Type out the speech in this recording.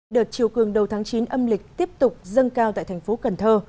đợt chiều cường đầu tháng chín âm lịch tiếp tục dâng cao tại thành phố cần thơ